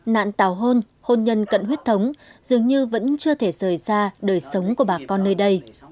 nạn tào hôn hôn nhân cận huyết thống dường như vẫn chưa thể rời xa đời sống của bà con nơi đây